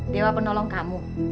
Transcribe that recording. dewa penolong kamu